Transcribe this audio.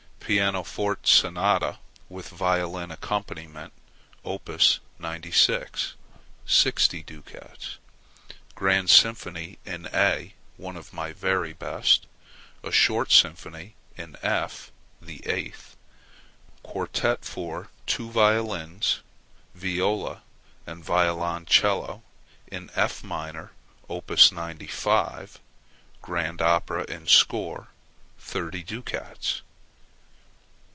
Pianoforte Sonata, with violin accompaniment [Op. 96], 60 ducats. Grand Symphony in A (one of my very best); a short Symphony in F [the 8th]; Quartet for two violins, viola, and violoncello in F minor [Op. 95]; Grand Opera in score, 30 ducats.